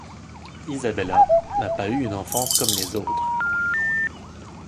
Isabella n'a pas eu une enfance comme les autres.